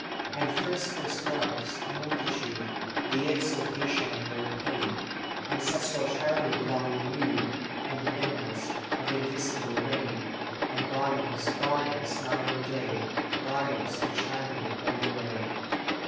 And first first loves, a multitude, The exaltation of their pain; Ancestral childhood long renewed; And midnights of invisible rain; And gardens, gardens, night and day, Gardens and childhood all the way.